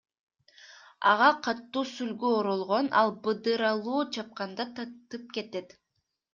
Ага катуу сүлгү оролгон, ал быдыралуу, чапканда тытып кетет.